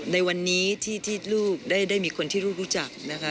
ในวันนี้ที่ลูกได้มีคนที่ลูกรู้จักนะคะ